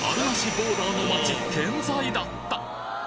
ボーダーの街健在だった！